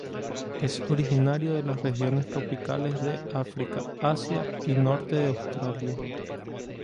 Es originario de las regiones tropicales de África, Asia y norte de Australia.